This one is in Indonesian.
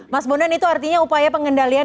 mas bondan itu artinya upaya pengendalian